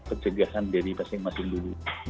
pencegahan diri masing masing diri